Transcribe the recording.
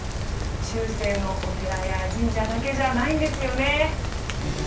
中世のお寺や神社だけじゃないんですよね